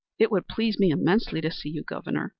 It would please me immensely to see you Governor.